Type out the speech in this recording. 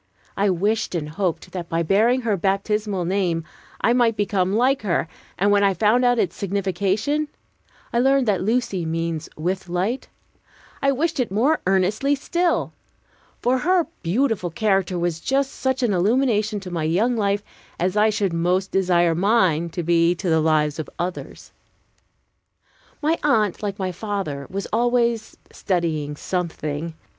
I wished and hoped that by bearing her baptismal name I might become like her; and when I found out its signification (I learned that "Lucy" means "with light"), I wished it more earnestly still. For her beautiful character was just such an illumination to my young life as I should most desire mine to be to the lives of others. My aunt, like my father, was always studying something.